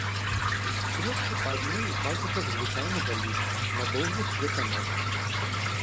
Кветкі па адной у пазухах звычайнага лісця, на доўгіх кветаножках.